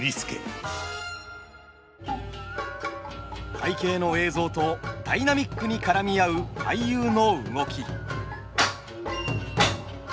背景の映像とダイナミックに絡み合う俳優の動き。